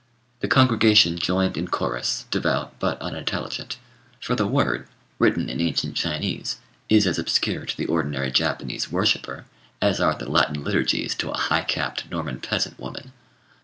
The congregation joined in chorus, devout but unintelligent; for the Word, written in ancient Chinese, is as obscure to the ordinary Japanese worshipper as are the Latin liturgies to a high capped Norman peasant woman.